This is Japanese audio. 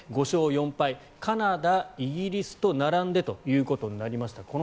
５勝４敗カナダ、イギリスと並んでとなりました。